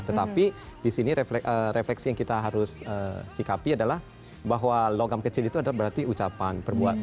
tetapi di sini refleksi yang kita harus sikapi adalah bahwa logam kecil itu berarti ucapan